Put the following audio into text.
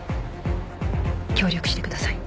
協力してください。